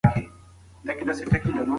پلار نن ناوخته راګرځي.